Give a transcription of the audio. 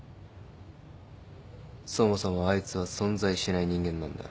そもそもあいつは存在しない人間なんだ。